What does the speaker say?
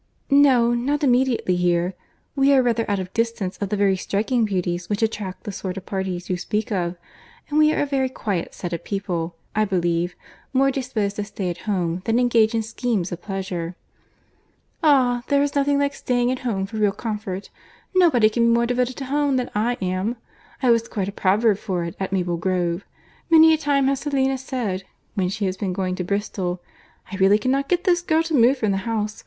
"No; not immediately here. We are rather out of distance of the very striking beauties which attract the sort of parties you speak of; and we are a very quiet set of people, I believe; more disposed to stay at home than engage in schemes of pleasure." "Ah! there is nothing like staying at home for real comfort. Nobody can be more devoted to home than I am. I was quite a proverb for it at Maple Grove. Many a time has Selina said, when she has been going to Bristol, 'I really cannot get this girl to move from the house.